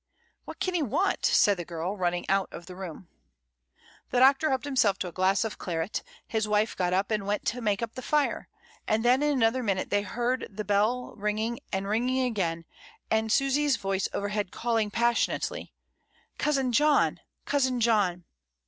"What can he want?" said the girl, running out of the room. 44 MRS. DTMOND. The Doctor helped himself to a glass of claret His wife got up and went to make up the fire; and then in another minute they heard the bell ringing and ringing again, and Susy's voice overhead calling passionately, "Cousin John! cousin John!"